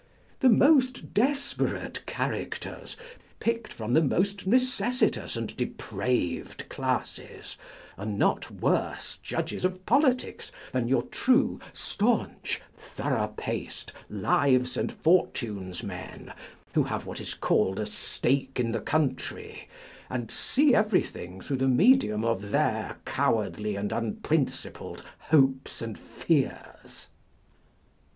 The most desperate characters, picked from the most necessitous and depraved classes, are not worse judges of politics than your true, staunch, thorough paced " lives and fortunes men," who have what is called a stake in the country, and see everything through the medium of their cowardly and unprincipled hopes and fears.